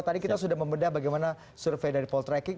tadi kita sudah membedah bagaimana survei dari poll tracking